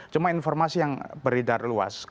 cuma informasi yang beredar luas